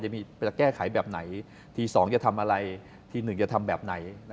จะมีแก้ไขแบบไหนทีสองจะทำอะไรทีหนึ่งจะทำแบบไหน